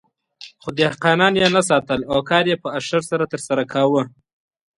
خو دهقانان یې نه ساتل او کار یې په اشر سره ترسره کاوه.